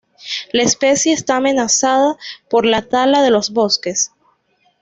La especie está amenazada por la tala de los bosques.